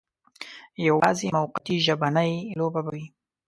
یوازې موقتي ژبنۍ لوبه به وي.